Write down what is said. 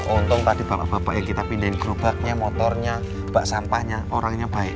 untung tadi bapak bapak yang kita pindahin gerobaknya motornya bak sampahnya orangnya baik